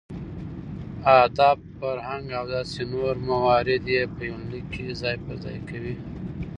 اداب ،فرهنګ او داسې نور موارد يې په يونليک کې ځاى په ځاى کوي .